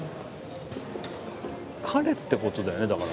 彼ってことだよねだから。